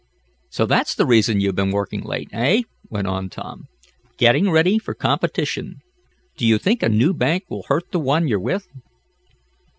"So that's the reason you've been working late, eh?" went on Tom. "Getting ready for competition. Do you think a new bank will hurt the one you're with?"